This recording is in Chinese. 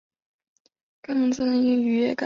抚触男性肛门口也可造成更进一步的愉悦感。